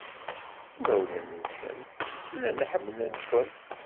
Imawlan-nsent llan ḥemmlen-ken.